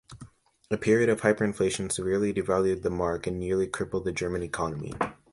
A period of hyperinflation severely devalued the Mark and nearly crippled the German economy.